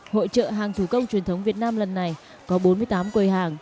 hội trợ hàng thủ công truyền thống việt nam lần này có bốn mươi tám quầy hàng